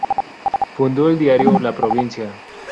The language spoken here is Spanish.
Fundó el diario "La Provincia".